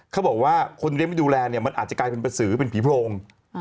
เขาบอกว่าคนเลี้ยงไม่ดูแลเนี่ยมันอาจจะกลายเป็นกระสือเป็นผีโพรง